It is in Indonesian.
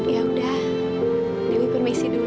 ya udah dewi permisi dulu